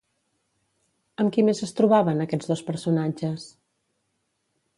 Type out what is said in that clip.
Amb qui més es trobaven aquests dos personatges?